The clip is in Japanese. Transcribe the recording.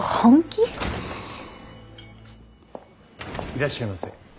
いらっしゃいませ。